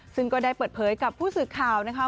ซึ่งก็ได้เปิดเผยกับผู้สื่อข่าวนะคะ